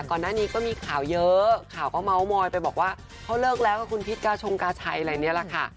ก่อนหน้านี้ก็มีข่าวเยอะข่าวก็เมาส์มอยไปบอกว่าเขาเลิกแล้วกับคุณพิษกาชงกาชัยอะไรเนี่ยแหละค่ะ